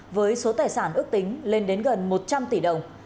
với số tài sản ước tính lên đến gần một trăm linh tỷ đồng